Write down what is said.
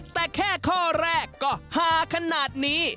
แต่แค่ข้อแรกก็ฮาขนาดนี้